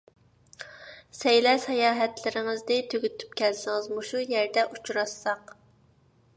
سەيلە - ساياھەتلىرىڭىزنى تۈگىتىپ كەلسىڭىز، مۇشۇ يەردە ئۇچراشساق.